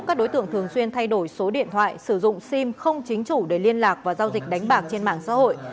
các đối tượng thường xuyên thay đổi số điện thoại sử dụng sim không chính chủ để liên lạc và giao dịch đánh bạc trên mạng xã hội